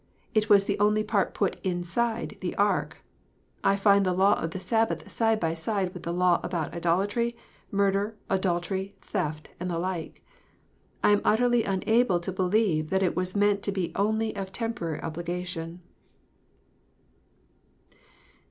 It was the only part put inside the ark. I find the law of the Sabbath side by side with the law about idolatry, murder, adultery, theft, and the like. I am utterly unable to believe that it was meant to be only of temporary obligation.